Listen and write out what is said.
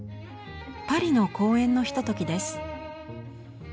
パリの公園のひとときです。